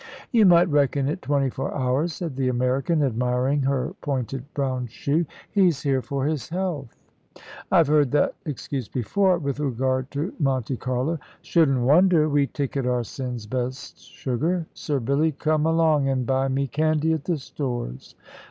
"You might reckon it twenty four hours," said the American, admiring her pointed brown shoe. "He's here for his health." "I've heard that excuse before, with regard to Monte Carlo." "Shouldn't wonder. We ticket our sins best sugar. Sir Billy, come along an' buy me candy at the stores."